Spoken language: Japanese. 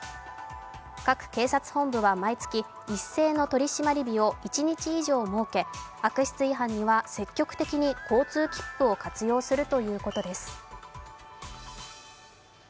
各警察本部は毎月、一斉の取り締まり日を一日以上設け悪質違反には積極的に交通切符を活用するということです。